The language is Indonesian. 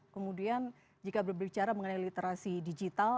kemudian jika berbicara mengenai literasi digital